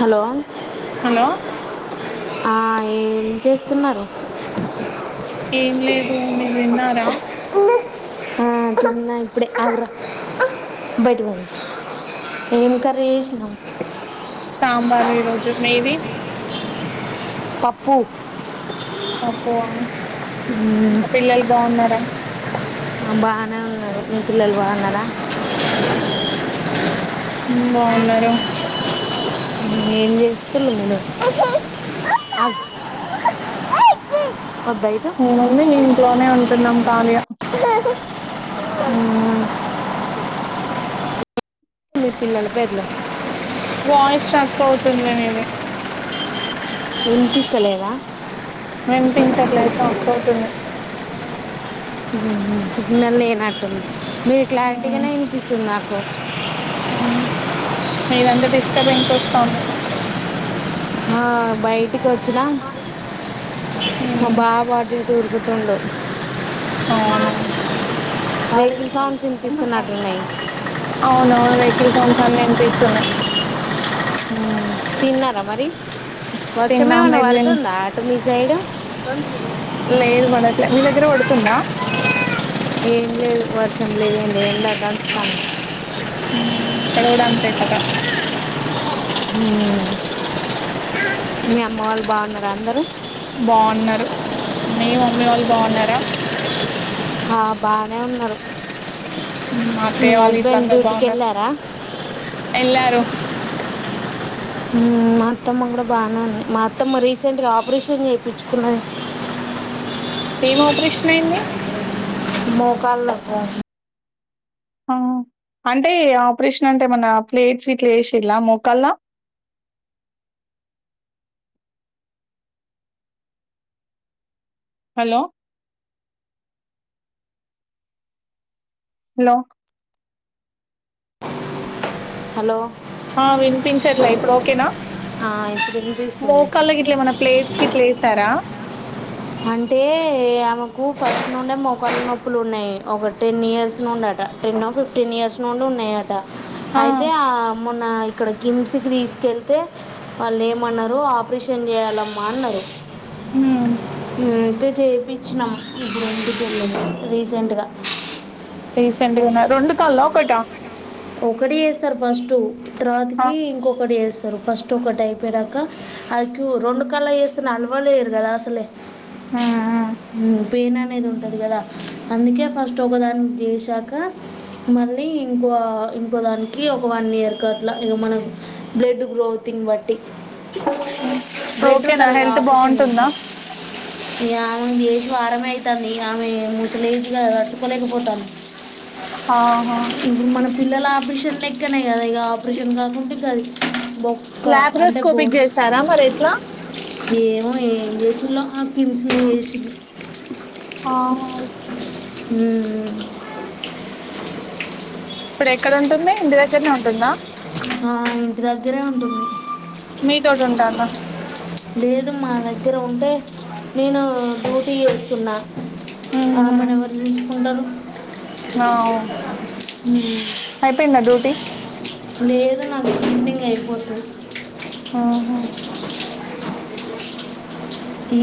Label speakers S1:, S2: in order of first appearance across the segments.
S1: Hello
S2: hello
S1: ఏం చేస్తున్నారు
S2: ఏం లేదు మీరు విన్నారా
S1: తన్న ఇప్పుడే ఆంధ్ర బడిపం ఏం కర్రీ చెసినావ్
S2: సాంబారు ఈరోజు మీది
S1: పప్పు
S2: అప్ప
S1: మ్మ్
S2: ఇంకా పిల్లలు బాగున్నారా
S1: బాగానే ఉన్నా ఈ పిల్లలు బాగున్నారా
S2: బాగున్నారు
S1: ఏం చేస్తున్నా నను
S2: మేముంది ఇంట్లోనే ఉంటున్నాం కళియా
S1: [unintelligible] మీ పిల్లల పేర్లు
S2: వాయిస్ స్టాక్ అవుతుంది మీది
S1: వినిపిస్తలేదా
S2: వినిపించడం లేదు స్టాక్ అవుతుంది
S1: సిగ్నల్ లేేనట్టుంది మీది
S2: ఉమ్
S1: క్లారిటీగానే వినిపిస్తుంది, నాకు
S2: మీదంతా డిస్టర్బెన్స్ వస్తాది
S1: ఆ బయటికి వచ్చినా మా
S2: ఉమ్
S1: బాబు అటు ఇటు తిరుగుతుండు
S2: అవునా
S1: వెహికల్ సౌండ్స్
S2: ఎందుకు
S1: వినిపిస్తున్నట్టున్నాయి
S2: అవున అవును వెహికల్ సౌండ్స్ అన్ని అనిపిస్తున్నాయి.
S1: తిన్నారా మరి వర్షం
S2: తిన్నాం
S1: ఏమైనా
S2: మీరు తిన్న
S1: పడుతుందా అటు మీ సైడ్
S2: లేదు పడలే మీ దగ్గర పడుతుందా
S1: ఏంలేదు వర్షం లేదు ఏంలేదు ఎండ దంచుతాంది
S2: హు ఇక్కడ కూడా అంతే కథ
S1: మీ అమ్మ వాళ్ళు బాగున్నార అందరు
S2: బాగున్నారు మీ మమ్మీ వాళ్ళు బాగున్నారా
S1: ఆ బానే ఉన్నారు.
S2: మా
S1: మీ
S2: అత్తయ్య వాళ్ళు ఇట్ల
S1: హస్బెండ్
S2: అందరు
S1: డ్యూటికి
S2: బాగున్నారు
S1: ఎళ్ళారా
S2: ఎళ్ళారు
S1: హ్మ్ మా అత్తమ్మ కూడా బానే ఉంది, మా అత్తమ్మ రీసెంట్ గా ఆపరేషన్ చేపించకునది
S2: ఎం ఆపరేషన్ అయింది.
S1: మోకాళ్ల నొప్పి [unintelligible]
S2: ఆ అంటే ఆపరేషన్, అంటే మన ప్లేట్స్ గిట్ల వేసిలా మొక్కల్లా [unintelligible] హలో హలో
S1: హలో
S2: ఆ వినిపించట్లే ఇప్పుడు ఓకేనా
S1: ఆ, ఇప్పుడు వినిపిస్తుంది
S2: మోకాళ్ళకిట్ల ఎమన్నా ప్లేట్స్ ఇట్లా వేసారా
S1: అంటే ఆమెకు ఫస్ట్ నుండే మొకాళ్ల నొప్పులు ఉన్నాయి. ఒక టెన్ ఇయర్స్ నుండి టెనో ఫిఫ్టీన్ ఇయర్స్ నుండి ఉన్నాయట అయితే ఆ మొన్న ఇక్కడ కిమ్స్కి తీసుకెళ్తే వాళ్ళు ఏమన్నారు ఆపరేషన్ చేయాలమ్మా అన్నారు.
S2: హ్మ్
S1: ఉమ్, అయితే చేపించినాము రీసెంట్గా
S2: రీసెంట్గానా రెండు కాళ్ళ ఒకటా
S1: ఒకటి చేస్తారు ఫస్ట్
S2: ఆ
S1: తర్వాతికి ఇంకొకటి చే స్తారు రు ఫస్ట్ ఒకటి అయిపోయాక అది క్యూ రెండు కాళ్లు చేస్తే నడవలేరు కదా అసలే
S2: ఉమ్
S1: హ్మ్ పెయిన్ అనేది ఉంటది కదా అందుకే ఫస్ట్ ఒకదాని చేశాక మళ్ళీ ఇంకో అ ఇంకో దానికి ఒక వన్ ఇయర్కి అట్లా ఇక మన బ్లడ్ గ్రోతింగ్ బట్టి
S2: ఉమ్ ఇప్పుడు
S1: బ్లడ్
S2: ఓకేనా
S1: ఉండాలిగా
S2: హెల్త్
S1: ఆపరేషన్
S2: బాగుంటుందా
S1: చేతే ఈమెకు చేసి వారం అయితాంది ఇగ ఆమె ముసలి ఏజ్ల తట్టుకోలేకపోతంది.
S2: ఆహా
S1: పిల్లల ఆపరేషన్ లెక్కనే కదా ఇగా ఆపరేషన్ కాకుంటే గది బొక్క అంటే
S2: లాప్రోస్కోపిక్
S1: బోన్స్
S2: చేసారా మరి ఎట్లా
S1: ఏమో ఏం చే ఆ కి కిమ్స్ లో చేసిరు
S2: ఆహ
S1: హ్మ్
S2: ఇప్పుడు ఎక్కడ ఉంటుంది, ఇంటి దగ్గరనే ఉంటుందా.
S1: ఆ ఇంటి దగ్గరే ఉంటుంది
S2: మీ తోటి ఉంటాంద
S1: లేదు మా దగ్గర ఉంటే నేను డ్యూటీ చేస్తున్నా
S2: ఉహు
S1: ఆమెను ఎవరు చసుుకుంటారు
S2: ఆ
S1: హ్మ్
S2: అయిపోయిందా డ్యూటీ
S1: లేదు నాకు షిఫ్టింగ్ అయిపోతుంది
S2: ఆహ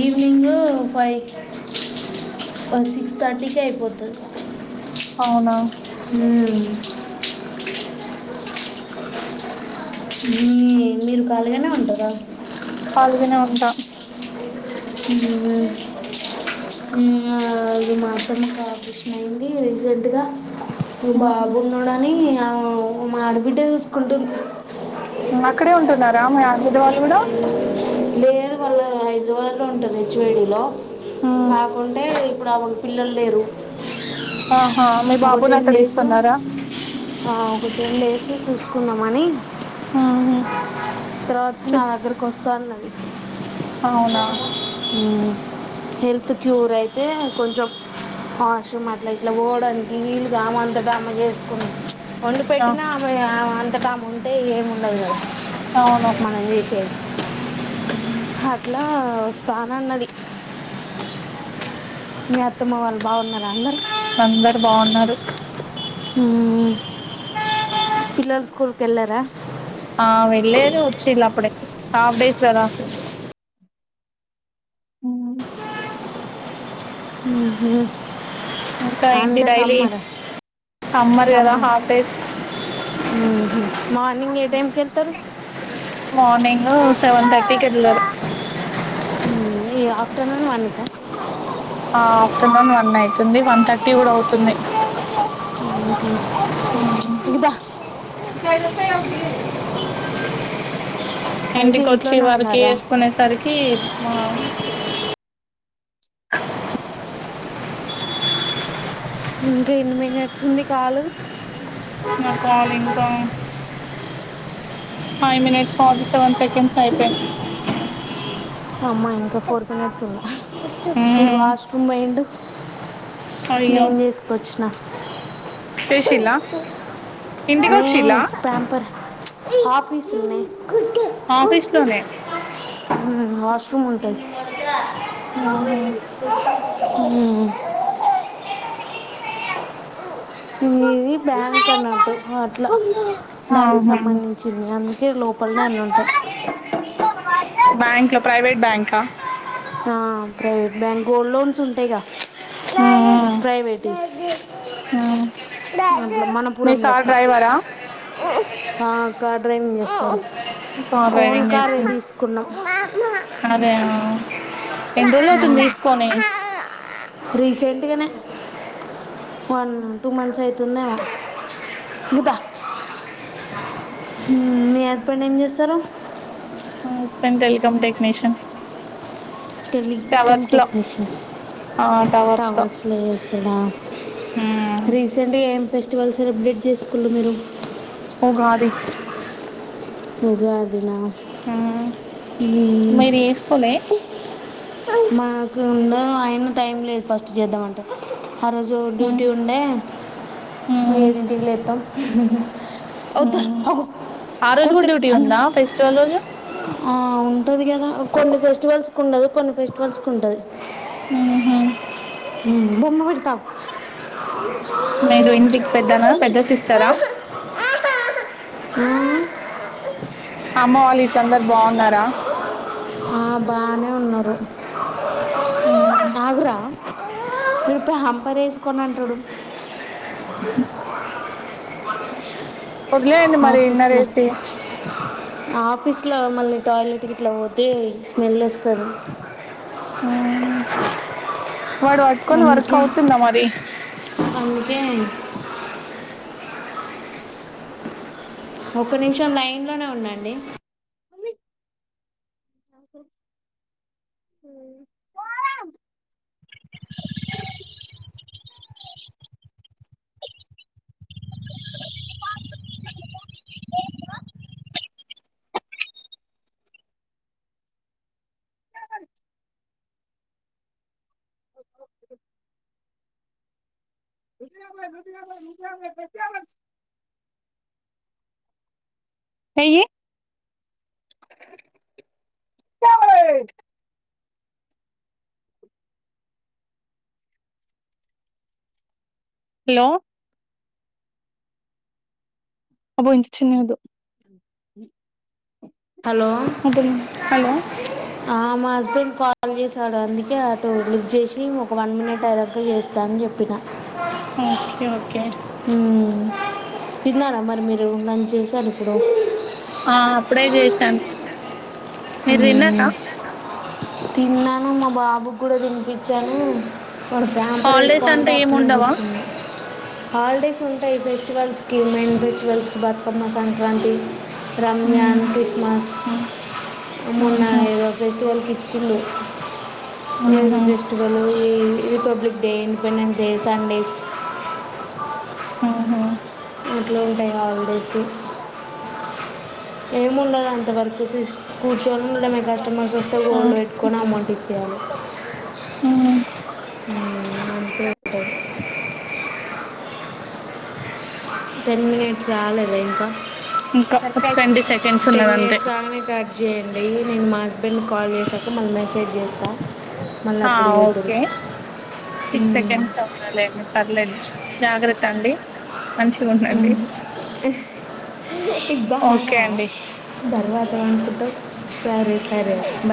S1: ఈవినింగ్ ఫైవ్ సిక్స్ థర్టీకి అయిపోతాది
S2: అవునా
S1: హ్మ్ మీ మీరు కాలుగానే ఉంటుర
S2: పాల్గనే ఉంటాం [unintelligible]
S1: అ హమ్ అది మా అత్తమ్మకి ఆపరేషన్ అయింది రీసెంట్గా
S2: మ్మ్.
S1: బాబున్నాడని ఆ ఆడబిడ్డే చూసుకుంటుది
S2: అక్కడే ఉంటున్నారా మీ ఆడబిడ్డవాళ్ళు కూడా
S1: లేదు వాళ్ళ హైదరాబాద్ లో ఉంటంది ఎచ్ వై డి లో
S2: మ్మ్.
S1: కాకుంటే ఇప్పుడు ఆమెకు పిల్లలు లేరు
S2: ఆహా మీ
S1: ఒక
S2: బాబుని
S1: టెన్
S2: అక్కడ
S1: డేస్
S2: ఇస్తున్నారా
S1: ఒక టెన్ డేస్ చూసుకుందామని
S2: ఉహు
S1: తర్వాత నా దగ్గరకి వస్తాను అది
S2: అవునా
S1: ఊ హెల్త్ క్యూర్ అయితే కొంచెం ఆవసం అట్లా ఇట్లా పో డంనికి ఈ నీళ్లుగా అమ అంతటమ చేసుకుని వండు
S2: ఆ
S1: పెట్టినా ఆమె అంతగామ ఉంటే ఏము ఉండదు కదా
S2: అవును
S1: మనం చేసేది
S2: మ్మ్.
S1: అట్లా స్థాన అన్నది మీ అత్తమ్మ వాళ్ళు బాగున్నారు అందరు
S2: అందరు బాగున్నారు
S1: హ పిల్లర్ స్కూల్ క ఎల్లా ర
S2: ఆ వెళ్ళేరు ఉచ్చిలా అప్పుడే హాఫ్ డేస్దా అ
S1: ఆ
S2: ఇంకా ఏంటి డైలీ సమ్మర్ కదా హాఫ్ డేస్
S1: మార్నింగ్ ఏ టైమ్కి వెళ్తారు
S2: మార్నింగ్ సెవెన్ థర్టీకి వెళ్లరు
S1: ఈ ఆఫ్టర్నూన్ వన్ క
S2: ఆ ఆఫ్టర్నూన్ వన్ అయితుంది వన్ థర్టీ కూడా అవుతుంది
S1: ఇదా
S2: ఊ
S1: అయితే
S2: ఇంటికోచ్చి
S1: ఇంట్లోనే
S2: వర్క్
S1: ఉన్నారా
S2: వేసుకునేసరికి మా
S1: ఇంకా ఎన్నిమినట్స్ంది కాలు
S2: నా కాల్ ఇంకా five minutes forty seven seconds అయిపోయిన్ది
S1: అమ్మ ఇంకా ఫోర్ మిట్స్ ఉన్నా మీ వాష్మ్ మ్ బైండు
S2: అయ్యో
S1: పచ్చన్నా
S2: చేశిల్లా
S1: ని క్యాంపర్స్ ఆఫీసు ఉన్నాయి
S2: ఆఫీస్ లోనే
S1: మ్ వాష్రూమ్ ఉంటది మ్
S2: ఇ అంత
S1: ఇ ఇది బ్యాంక్ అన్నట్టు అట్లా దానికి
S2: ఆహా
S1: సంబంధించింది అందుకే లోపలనే అన్న ఉంటాయి
S2: బ్యాంక్ లో ప్రైవేట్ ఆ
S1: ఆ ప్రైవేట్ బ్యాంక్ గోల్డ్ లోన్స్ ఉంటాయిగా
S2: మ్ మ్
S1: ప్రైవేట్
S2: మీ
S1: మనపురం
S2: సార్
S1: లెక్క
S2: డ్రైవరా
S1: ఆ కార్ డ్రైవింగ్ చేస్తుండు
S2: కార్
S1: ఓన్
S2: డ్రైవింగ్
S1: కారే
S2: చేస్తుంది
S1: తీసుకున్నాం
S2: అదే ఆ ఎన్ని రోజులు అవుతుంది తీసుకొని
S1: రీసెంట్గానే వన్ టూ మంత్స్ అయి తుమ్మావా ముకాా [unintelligible] మీ హస్బెండ్ ఏం చేస్తారు
S2: husband telecom technician
S1: telecom technician
S2: ఆ టవర్స్ లో
S1: టవర్స్లో చేస్తడా
S2: ఉమ్
S1: రీసెంట్గా ఎమ్ ఫెస్టివల్ సెలబ్రేట్ చేసుకుర్రు మీరు
S2: ఉగాది
S1: ఉగాది నా
S2: మ్ మీరు జేసుకోలే
S1: మాకుండవ్ ఆయన టైం లేదు ఫస్ట్ చేద్దామంటే ఆ రోజు గూడ
S2: ఉమ్
S1: డ్యూటీ ఉండే
S2: ఉమ్
S1: ఏడింటికి లేత్తం వద్దు
S2: ఉమ్
S1: అగో
S2: ఆ రోజు కూడా
S1: కొడతడు
S2: డ్యూటీ
S1: అన్న
S2: ఉందా
S1: కొడతడు
S2: ఫెస్టివల్ రోజు
S1: ఆ ఉంటది గదా కొన్ని ఫెస్టివల్స్ కి ఉండదు కొన్ని ఫెస్టివల్స్ కి ఉంటది
S2: [unintelligible]
S1: బొమ్మ గూడా
S2: మీరు ఇంటికి పెద్దనా పెద్ద సిస్టరా
S1: మ్మ్
S2: అమ్మ వాళ్ళు ఇట్లందరు బావున్నారా
S1: ఆ బానే ఉన్నారు
S2: ఉమ్
S1: ఆగురా నుప్పే హంపర ఏసుకోనంటడు
S2: బస్ మరి
S1: ఆఫీస్
S2: ఇన్నర్
S1: లో
S2: ఏసి
S1: ఆఫీస్లో మళ్ళీ టాయిలెట్ ఇట్లా పోతే స్మెల్ వస్తారు
S2: మ్మ్ వాడు వట్టుకొని వర్క్
S1: అందుకే
S2: అవుతుందా మరి
S1: అందుకే ఒక నిమిషం లైన్ లోనే ఉండండి
S2: [unintelligible] నూటయాభై నూటయాభై నూటయాభై డ్రస్సు యాభై ఏయ్యి సేయ్ హలో ఆ బెంచి చిన్నది
S1: హలో
S2: వద్దులేండి హలో
S1: ఆ మా హస్బెండ్ కాల్ కాల్ చేసాడు అందుకే అటు లిఫ్ట్ జేసి ఒక వన్ మినిట్ అయినక చేస్తా అని చెప్పినా
S2: ఓకే ఓకే
S1: మ్మ్. తిన్నారా మరి మీరు లంచ్ చేశార ఇప్పుడు
S2: ఆ అప్పుడే చేసాను మీరు
S1: మ్మ్.
S2: తిన్నారా
S1: తిన్నాను మా బాబు గూడా తినిపించాను వాడు ప్యాంపర్ వేసుకో
S2: హాలిడేస్
S1: అంటే
S2: ఏమి
S1: అట్లే
S2: ఉండవా
S1: కూర్చునడు హాలిడేస్ ఉంటాయి ఫెస్టివల్స్కి మెయిన్ ఫెస్టివల్స్కి బతుకమ్మ సంక్రాంతి రంజాన్
S2: హ్మ్
S1: క్రిస్మస్
S2: మ్
S1: మొన్న
S2: హా
S1: [unintelligible] ఈ
S2: ఊహూ
S1: republic day independence day Sundays
S2: ఆహా
S1: అట్లా ఉంటాయి హాలిడేస్ ఏముండదు అంత వరకు సిస్ కూర్చోని ఉండడమే కస్టమర్స్ వస్తే హోల్డ్ లో పెట్టుకొని అమౌంట్ ఇచ్చేయాలి
S2: ఊహూ
S1: మ్ అంతే లె టెన్ మినిట్స్ గాలేదా ఇంకా
S2: ఇంకా ట్వంటీ సెకండ్స్ ఉన్నది
S1: టెన్
S2: అంతే
S1: మినిట్స్ గాగనే కట్ చేయండి నేను మా హస్బెండ్ కాల్ చేసా ఇప్పుడు మళ్ళీ మెసేజ్ జేస
S2: ఆ ఓకే
S1: ఇక
S2: సిక్స్ సెకండ్స్ లెండి పర్లేదు జాగ్రత్త అండి ఉనండి
S1: ఇద్దహార ధర్వాత అనుకుంతె సరే సరే బాయ్